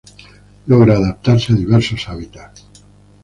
Logra adaptarse a diversos hábitats.